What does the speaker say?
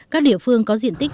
các địa phương có diện tích